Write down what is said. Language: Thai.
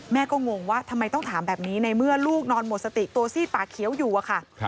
แม่ก็งงว่าทำไมต้องถามแบบนี้ในเมื่อลูกนอนหมดสติตัวซีดปากเขียวอยู่อะค่ะ